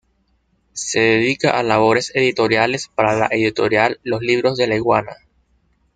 Se dedica a labores editoriales para la Editorial Los libros de la Iguana.